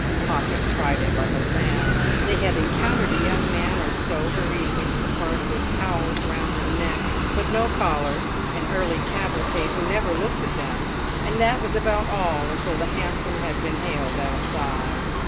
Pocket tried it like a lamb. They had encountered a young man or so hurrying into the Park with towels round the neck but no collar, an early cavalcade who never looked at them, and that was about all until the hansom had been hailed outside.